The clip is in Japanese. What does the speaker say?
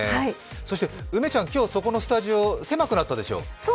梅ちゃん、今日そこのスタジオ、狭くなったでしょう？